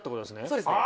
そうですね。